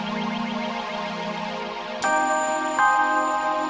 waalaikumsalam ane belum mati